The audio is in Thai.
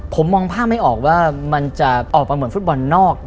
ผมมองภาพไม่ออกว่ามันจะออกมาเหมือนฟุตบอลนอก